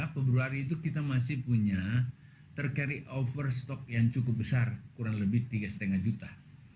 februari itu kita masih punya tercarry over stok yang cukup besar kurang lebih tiga lima juta